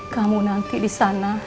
kamu nanti disana